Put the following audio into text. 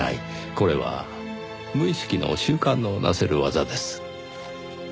これは無意識の習慣のなせる業です。